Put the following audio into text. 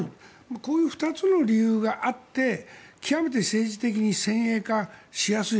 こういう２つの理由があって極めて政治的に先鋭化しやすい。